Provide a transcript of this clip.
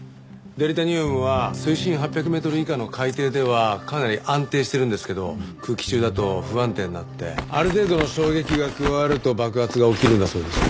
デリタニウムは水深８００メートル以下の海底ではかなり安定してるんですけど空気中だと不安定になってある程度の衝撃が加わると爆発が起きるんだそうです。